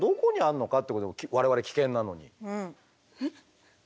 我々危険なのに。